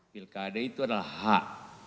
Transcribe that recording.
pilkada itu adalah hak